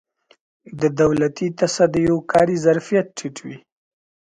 د دولتي تصدیو کاري ظرفیت ټیټ وي.